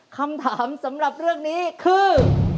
คำถามสำหรับเรื่องนี้คือ